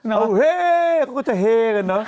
เอาเฮ้ก็จะเฮ้กันเนอะ